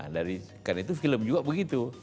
karena itu film juga begitu